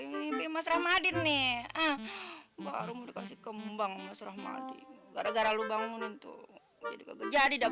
ini mas rahmadi nih baru mau dikasih kembang mas rahmadi gara gara lubang menentu jadi kejadian